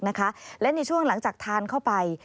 และในช่วงหลังจากทานเข้าไป